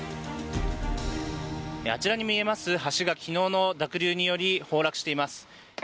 あちらに見えます橋が昨日の濁流により崩落しています。